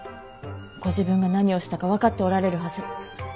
ご自分が何をしたか分かっておられるはず。